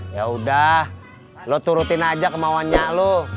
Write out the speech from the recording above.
yaudah lu turutin aja kemauannya lu